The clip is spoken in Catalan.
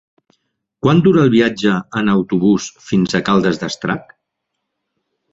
Quant dura el viatge en autobús fins a Caldes d'Estrac?